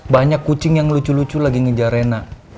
banyak kucing yang lucu lucu lagi ngejar rena